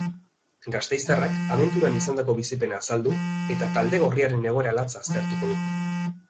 Gasteiztarrak abenturan izandako bizipena azaldu eta talde gorriaren egoera latza aztertuko du.